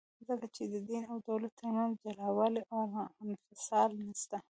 ځکه چي د دین او دولت ترمنځ جلاوالي او انفصال نسته.